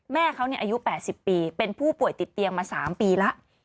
แม่เขาอายุ๘๐ปีเป็นผู้ป่วยติดเตียงมา๓ปีแล้ว